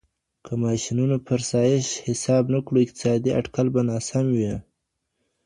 که د ماشينونو فرسايش حساب نه کړو اقتصادي اټکل به ناسم وي.